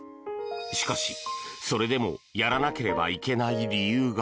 しかし、それでもやらなければいけない理由が。